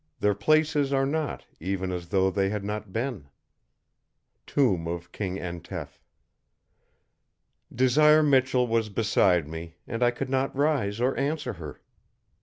Their places are not, even as though they had not been." TOMB OF KING ENTEF. Desire Michell was beside me, and I could not rise or answer her.